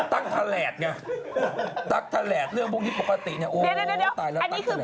ตัจทาแลตเช่นว่าเรื่องพวกนี้ปกติโอ้โหแต่ละเดี๋ยว